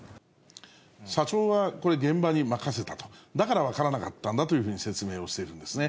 社長はこれ、現場に任せたと、だから分からなかったんだというふうに説明をしているんですね。